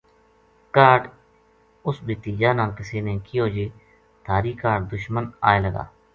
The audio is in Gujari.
کاہڈ اس بھتیجا نا کِسے نے کہیو جے تھاری کاہڈ دشمن آئے لگا